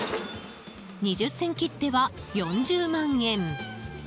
二十銭切手は４０万円。